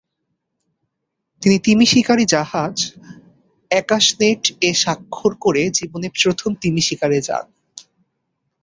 তিনি তিমিশিকারী জাহাজ অ্যাকাশনেট-এ সাক্ষর করে জীবনে প্রথম তিমি শিকারে যান।